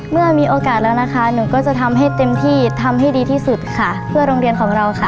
เมื่อมีโอกาสแล้วนะคะหนูก็จะทำให้เต็มที่ทำให้ดีที่สุดค่ะเพื่อโรงเรียนของเราค่ะ